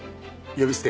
呼び捨て。